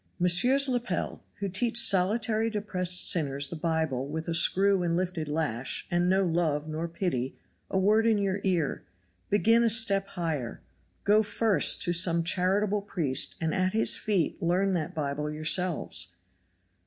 Messieurs Lepel, who teach solitary depressed sinners the Bible with screw and lifted lash and no love nor pity, a word in your ear. Begin a step higher. Go first to some charitable priest and at his feet learn that Bible yourselves!